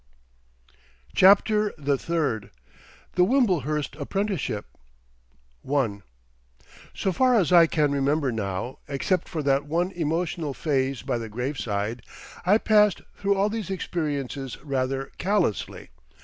CHAPTER THE THIRD THE WIMBLEHURST APPRENTICESHIP I So far as I can remember now, except for that one emotional phase by the graveside, I passed through all these experiences rather callously.